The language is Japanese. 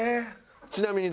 ちなみに誰？